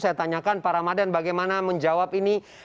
saya tanyakan pak ramadan bagaimana menjawab ini